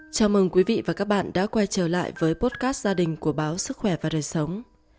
chào mừng quý vị và các bạn đã quay trở lại với potcast gia đình của báo sức khỏe và đời sống